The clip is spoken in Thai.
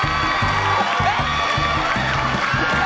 ครูปัชโดย